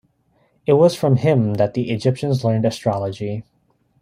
It was from him that the Egyptians learned astrology.